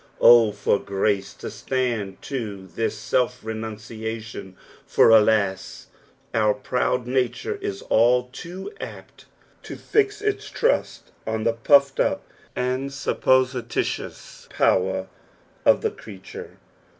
O for grace to stand to thin self renunciation, for, alas ! our proud nature is all too apt to fix its trujt on the pufTed iip and supposilitious power of the creature.